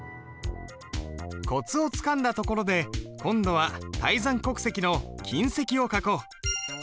コツをつかんだところで今度は「泰山刻石」の「金石」を書こう。